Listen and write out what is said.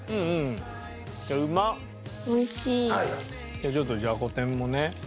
じゃあちょっとじゃこ天もね。